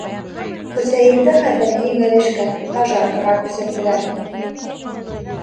Хөсәйенде хәҙер еңел эшкә «Пожарка»ға күсерҙеләр.